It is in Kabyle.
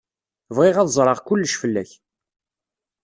Bɣiɣ ad ẓreɣ kullec fell-ak.